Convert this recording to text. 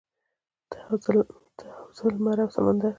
ته او زه لمر او سمندر.